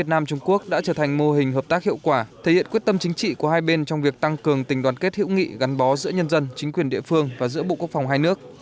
nam trung quốc đã trở thành mô hình hợp tác hiệu quả thể hiện quyết tâm chính trị của hai bên trong việc tăng cường tình đoàn kết hữu nghị gắn bó giữa nhân dân chính quyền địa phương và giữa bộ quốc phòng hai nước